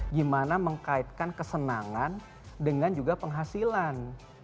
gimana mengkaitkan kesenangan dengan juga penghasilan